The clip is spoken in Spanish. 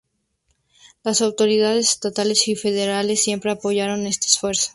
Las autoridades estatales y federales siempre apoyaron este esfuerzo.